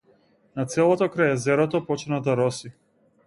Над селото крај езерото почна да роси.